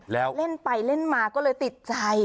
แล้วเล่นไปเล่นมาก็เลยติดใจ